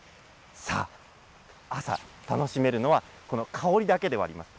さあ、朝、楽しめるのは、この香りだけではありません。